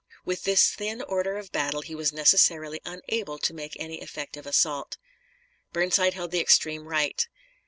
With this thin order of battle he was necessarily unable to make any effective assault. Burnside held the extreme right.